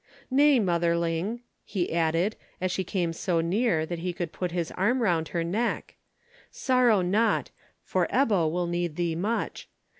"Nay, motherling," he added, as she came so near that he could put his arm round her neck, "sorrow not, for Ebbo will need thee much.